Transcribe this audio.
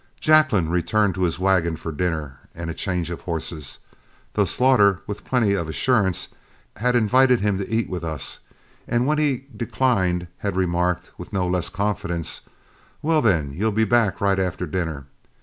Jacklin returned to his wagon for dinner and a change of horses, though Slaughter, with plenty of assurance, had invited him to eat with us, and when he declined had remarked, with no less confidence, "Well, then, you'll be back right after dinner.